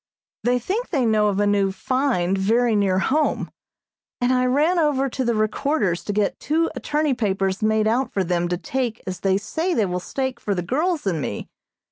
They think they know of a new "find" very near home, and I ran over to the Recorder's to get two attorney papers made out for them to take as they say they will stake for the girls and me.